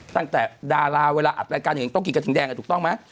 ตั้งแต่ดาราเวลาอัดแรกการเห็นต้องกินกระทิงแดงถูกต้องไหม